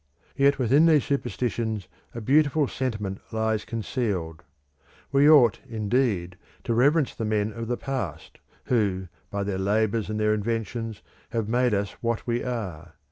Yet within these superstitions a beautiful sentiment lies concealed. We ought, indeed, to reverence the men of the past, who, by their labours and their inventions, have made us what we are.